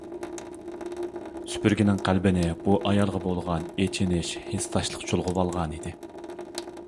سۈپۈرگىنىڭ قەلبىنى بۇ ئايالغا بولغان ئېچىنىش ھېسداشلىق چۇلغىۋالغانىدى.